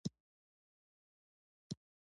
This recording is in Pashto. په افغانستان کې د تالابونو بډایه او ګټورې منابع شته.